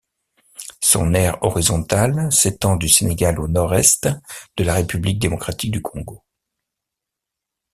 Son aire horizontale s'étend du Sénégal au nord-est de la République démocratique du Congo.